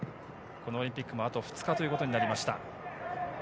このオリンピックもあと２日ということになりました。